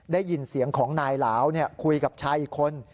ได้ยินเสียงของนายหลาวคุยกับชายอีกคน